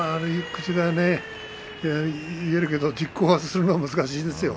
口では言えるけどね実行するのは難しいですよ。